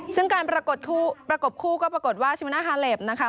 ซึ่งการประกบคู่ก็ปรากฏว่าชิมาน่าฮาเลปนะคะ